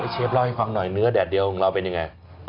เชฟเล่าให้ฟังหน่อยเนื้อแดดเดียวของเราเป็นยังไง